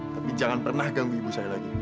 tapi jangan pernah ganggu ibu saya lagi